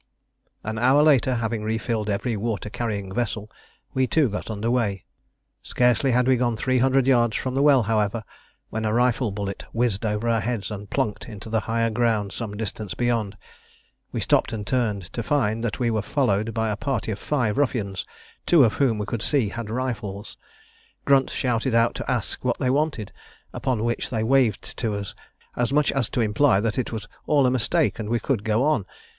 An hour later, having refilled every water carrying vessel, we too got under way. Scarcely had we gone three hundred yards from the well, however, when a rifle bullet whizzed over our heads and plunked into the higher ground some distance beyond. We stopped and turned, to find that we were followed by a party of five ruffians, two of whom we could see had rifles. Grunt shouted out to ask what they wanted, upon which they waved to us, as much as to imply that it was all a mistake and we could go on.